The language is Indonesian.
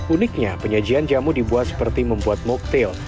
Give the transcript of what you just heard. uniknya penyajian jamu dibuat seperti membuat moktail